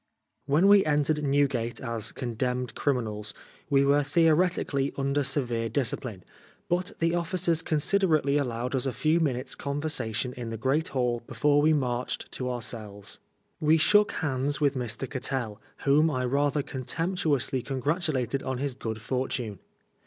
When we entered Newgate as " condemned criminals," we were theoretically under severe discipline, but the officers considerately allowed us a few ijiinutes' con versation in the great hall before we marched to our cells. We shook hands with Mr. Cattell, whom I rather contemptuously congratulated on his good fortune.